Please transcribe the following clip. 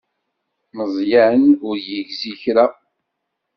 Meẓyan ur yegzi kra.